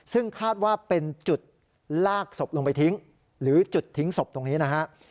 ซึ่งคาดว่าเป็นจุดลากศพลงไปทิ้งหรือจุดทิ้งศพตรงนี้นะฮะ